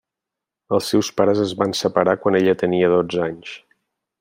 Els seus pares es van separar quan ella tenia dotze anys.